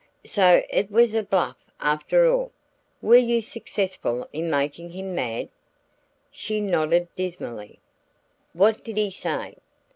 So it was a bluff after all? Were you successful in making him mad?" She nodded dismally. "What did he say?"